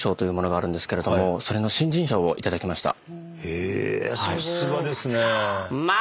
へぇさすがですね。